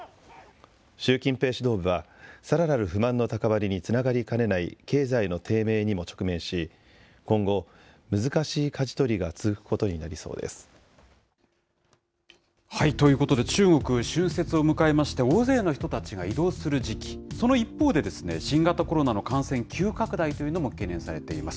習近平指導部は、さらなる不満の高まりにつながりかねない経済の低迷にも直面し、今後、難しいかじ取りが続くことになりそうです。ということで、中国、春節を迎えまして、大勢の人たちが移動する時期、その一方で、新型コロナの感染、急拡大ということも懸念されています。